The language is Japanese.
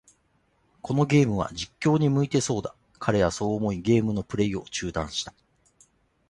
このゲームは、実況に向いてそうだ。彼はそう思い、ゲームのプレイを中断した。